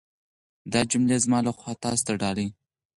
دا جملې زما لخوا تاسو ته ډالۍ.